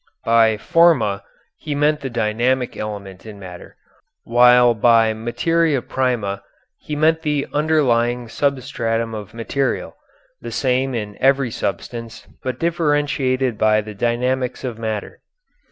By forma he meant the dynamic element in matter, while by materia prima he meant the underlying substratum of material, the same in every substance, but differentiated by the dynamics of matter.